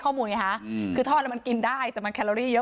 ไงฮะคือทอดแล้วมันกินได้แต่มันแคลอรี่เยอะ